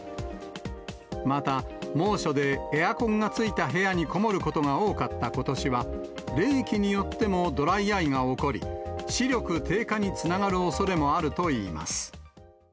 また、猛暑でエアコンがついた部屋に籠もることが多かったことしは、冷気によってもドライアイが起こり、視力低下につながるおそれもあるといいます。